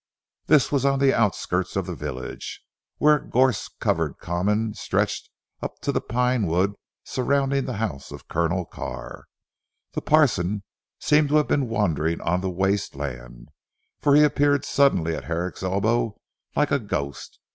This was on the outskirts of the village, where a gorse covered common stretched up to the pine wood surrounding the house of Colonel Carr. The parson seemed to have been wandering on the waste land, for he appeared suddenly at Herrick's elbow like a ghost.